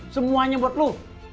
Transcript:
semuanya buat lo